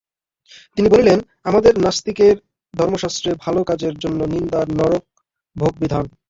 তিনি বলিলেন, আমাদের নাস্তিকের ধর্মশাস্ত্রে ভালো কাজের জন্য নিন্দার নরকভোগ বিধান।